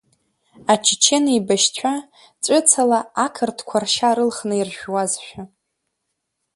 Ачечен еибашьцәа ҵәыцала ақырҭқәа ршьа рылхны иржәуазшәа.